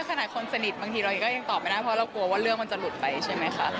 ขนาดคนสนิทบางทีเราก็ยังตอบไม่ได้เพราะเรากลัวว่าเรื่องมันจะหลุดไปใช่ไหมคะ